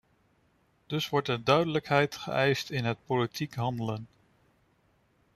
Dus wordt er duidelijkheid geëist in het politiek handelen.